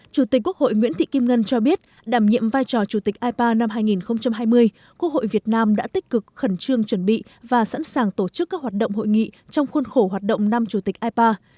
chủ tịch quốc hội nguyễn thị kim ngân cho biết đảm nhiệm vai trò chủ tịch ipa năm hai nghìn hai mươi quốc hội việt nam đã tích cực khẩn trương chuẩn bị và sẵn sàng tổ chức các hoạt động hội nghị trong khuôn khổ hoạt động năm chủ tịch ipa